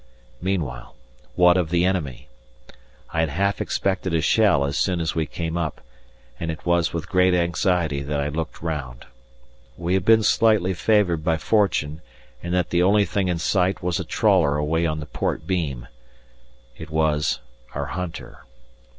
Meanwhile, what of the enemy? I had half expected a shell as soon as we came up, and it was with great anxiety that I looked round. We had been slightly favoured by fortune in that the only thing in sight was a trawler away on the port beam. It was our hunter.